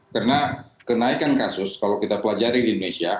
karena kenaikan kasus kalau kita pelajari di indonesia